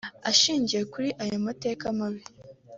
Ashingiye kuri aya mateka mabi